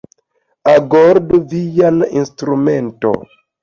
Agordu vian instrumenton!